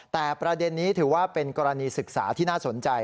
แต่ประเด็นนี้ถือว่าเป็นกรณีศึกษาที่น่าสนใจ